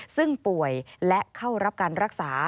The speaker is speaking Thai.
ซึ่งป่วยและเข้ารับการรักษา